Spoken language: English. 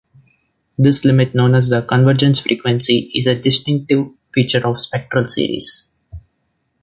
This limit, known as the convergence frequency is a distinctive feature of spectral series.